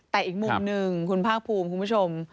แต่อีกมุมหนึ่งคุณภาคภูมิคุณผู้ชม